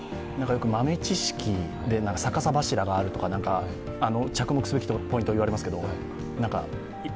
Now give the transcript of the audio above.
豆知識で逆さ柱があるとか、着目すべきポイントと言われますが？